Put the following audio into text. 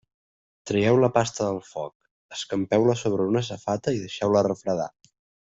Traieu la pasta del foc, escampeu-la sobre una safata i deixeu-la refredar.